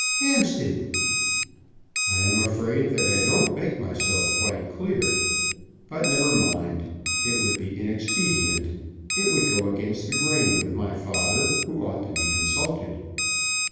"Hampstead!" "I am afraid that I don't make myself quite clear. But never mind. It would be inexpedient. It would go against the grain with my father, who ought to be consulted."